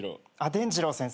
でんじろう先生。